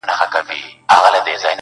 • بدرګه را سره ستوري وړمه یاره..